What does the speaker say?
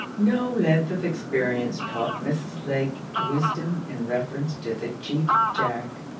No length of experience taught Mrs. Lake wisdom in reference to the Cheap Jack.